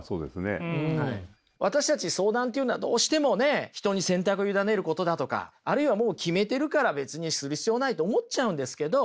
私たち相談っていうのはどうしてもね人に選択を委ねることだとかあるいはもう決めてるから別にする必要ないって思っちゃうんですけど